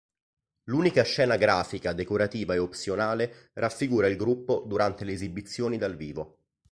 L'unica scena grafica, decorativa e opzionale, raffigura il gruppo durante le esibizioni dal vivo.